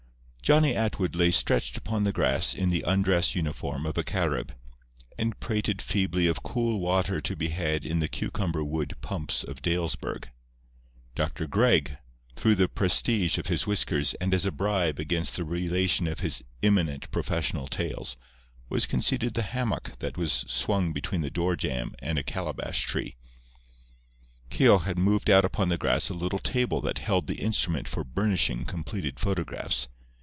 Johnny Atwood lay stretched upon the grass in the undress uniform of a Carib, and prated feebly of cool water to be had in the cucumber wood pumps of Dalesburg. Dr. Gregg, through the prestige of his whiskers and as a bribe against the relation of his imminent professional tales, was conceded the hammock that was swung between the door jamb and a calabash tree. Keogh had moved out upon the grass a little table that held the instrument for burnishing completed photographs.